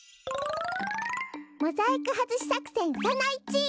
モザイクはずしさくせんその１！